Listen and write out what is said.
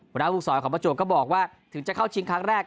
บรรดาภูกษอของบรรจวบก็บอกว่าถึงจะเข้าชิงครั้งแรก